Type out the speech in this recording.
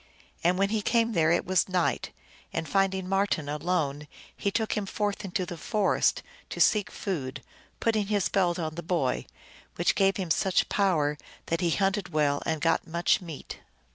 And when he came there it was night, and, finding Marten alone, he took him forth into the forest to seek food, putting his belt on the boy, which gave him such power that he hunted well and got maich meat.